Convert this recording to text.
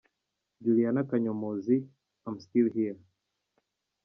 Juliana Kanyomozi – I’m Still Here.